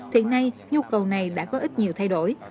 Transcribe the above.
thì nay nhu cầu này đã có ít nhiều thay đổi